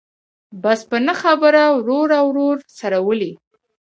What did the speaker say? بس په نه خبره ورور او ورور سره ولي.